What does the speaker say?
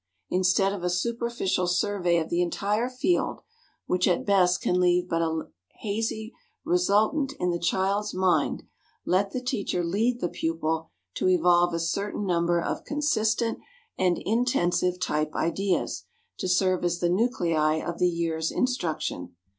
Instead of a superficial survey of the entire field, which at best can leave but a hazy resultant in the child's mind, let the teacher lead the pupil to evolve a certain number of consistent and intensive "type ideas" to serve as the nuclei of the year's instruction.